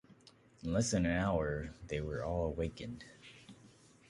In less than an hour they were all awakened.